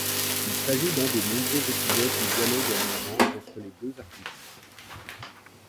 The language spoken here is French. Il s'agit d'un des nombreux épisodes du dialogue à distance entre les deux artistes.